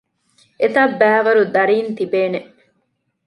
އެތައްބައިވަރު ދަރީން ތިބޭނެ